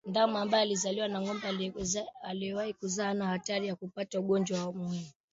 Ndama ambaye amezaliwa na ngombe aliyewahi kuzaa hana hatari ya kupata ugonjwa wa kuhara